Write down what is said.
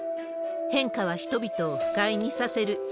変化は人々を不快にさせる。